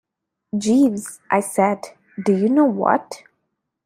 "Jeeves," I said, "do you know what?"